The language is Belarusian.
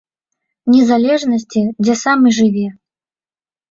Незалежнасці, дзе сам і жыве.